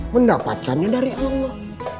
mendapatkannya dari allah